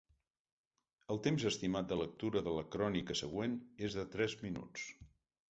El temps estimat de lectura de la crònica següent és de tres minuts.